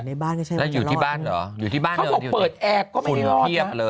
ในบ้านก็ใช่มันจะรอดอยู่ที่บ้านเหรอฝุ่นเทียบเลยอยู่ที่บ้าน